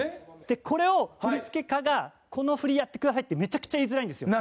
これを振付家がこの振りやってくださいってめちゃくちゃ言いづらいんですよ。